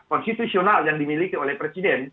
konstitusional yang dimiliki oleh presiden